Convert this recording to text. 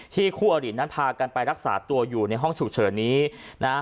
คู่อรินั้นพากันไปรักษาตัวอยู่ในห้องฉุกเฉินนี้นะฮะ